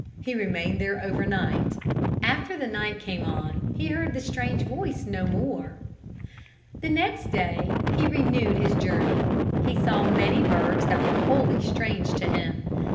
He remained there over night. After the night came on he heard the strange voice no more. The next day he renewed his journey. He saw many birds that were wholly strange to him.